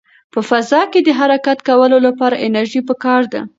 په فضا کې د حرکت کولو لپاره انرژي پکار ده.